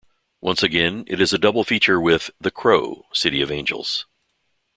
Once again, it is a double feature with "The Crow: City of Angels".